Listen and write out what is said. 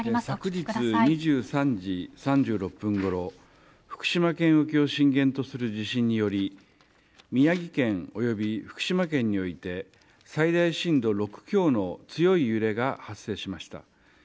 昨日２３時３６分ごろ福島県沖を震源とする地震により宮城県及び福島県において最大震度６強の強い揺れが発生しました。